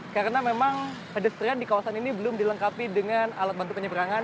karena memang pedestrian di kawasan ini belum dilengkapi dengan alat bantu penyeberangan